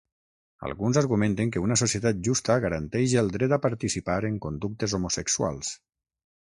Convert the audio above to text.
Alguns argumenten que una societat justa garanteix el dret a participar en conductes homosexuals.